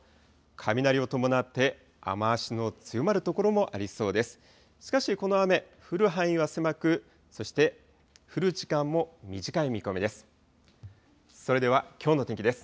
雷を伴って雨足の強まる所もありそうです。